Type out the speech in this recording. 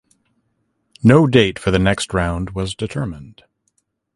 No date for the next round was determined.